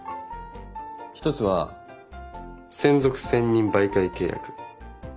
１つは「専属専任媒介契約」。